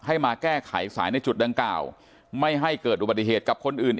ให้มาแก้ขายสายในจุดดัง๙ไม่ให้เกิดอุบัติเหตุกับคนอื่น